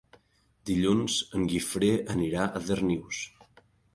Dilluns en Guifré anirà a Darnius.